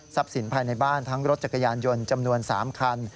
สินภายในบ้านทั้งรถจักรยานยนต์จำนวน๓คัน